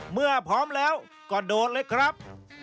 เมื่อพร้อมแล้วก็โดนเลยครับ